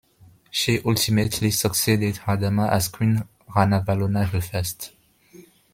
She ultimately succeeded Radama as Queen Ranavalona the First.